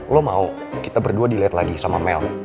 lo mau kita berdua dilihat lagi sama mel